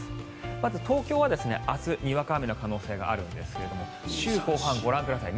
まず東京は明日にわか雨の可能性があるんですが週後半、ご覧ください。